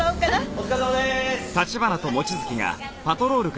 お疲れさまです。